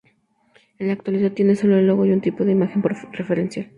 En la actualidad tiene solo el logo y un tipo de imagen referencial.